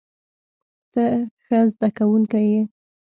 ته ښه زده کوونکی یې.